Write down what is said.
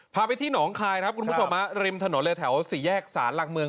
พาไปที่หนองคายครับคุณผู้ชมฮะริมถนนเลยแถวสี่แยกสารหลักเมือง